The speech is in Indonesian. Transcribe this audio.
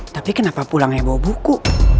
tapi kenapa pulangnya bawa buku